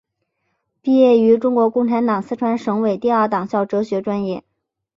毕业于中国共产党四川省委第二党校哲学专业。